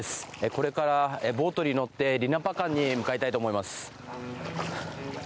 これから、ボートに乗ってリナパカンに向かいたいと思います。